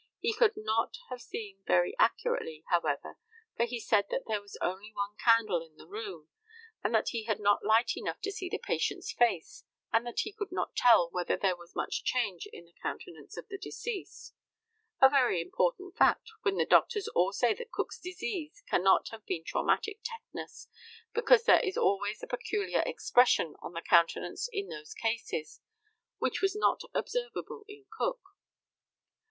He could not have seen very accurately, however, for he said that there was only one candle in the room, and that he had not light enough to see the patient's face, and that he could not tell whether there was much change in the countenance of the deceased a very important fact, when the doctors all say that Cook's disease cannot have been traumatic tetanus, because there is always a peculiar expression of the countenance in those cases, which was not observable in Cook.